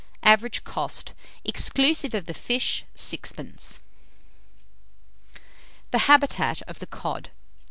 Average cost, exclusive of the fish, 6d. THE HABITAT OF THE COD.